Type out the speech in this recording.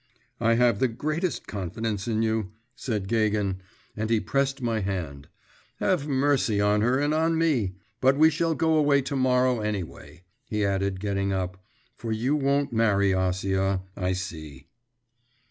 'I have the greatest confidence in you,' said Gagin, and he pressed my hand; 'have mercy on her and on me. But we shall go away to morrow, anyway,' he added getting up, 'for you won't marry Acia, I see.